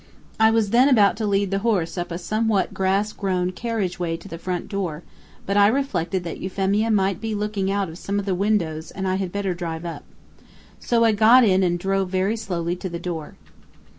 I was then about to lead the horse up a somewhat grass grown carriage way to the front door, but I reflected that Euphemia might be looking out of some of the windows and I had better drive up. So I got in and drove very slowly to the door.